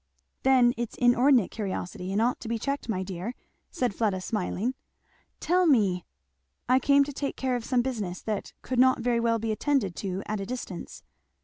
"Then it's inordinate curiosity, and ought to be checked, my dear," said Fleda smiling. "Tell me!" "I came to take care of some business that could not very well be attended to at a distance."